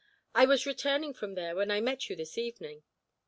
I was returning from there when I met you this evening.